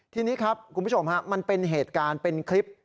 ทีนี้ครับคุณผู้ชมฮะมันเป็นเหตุการณ์เป็นคลิป